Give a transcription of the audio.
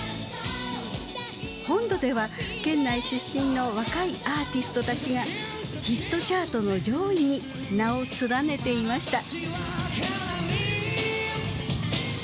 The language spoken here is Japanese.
本土では県内出身の若いアーティストたちがヒットチャートの上位に名を連ねていました。